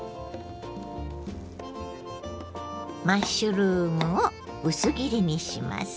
マッシュルームを薄切りにします。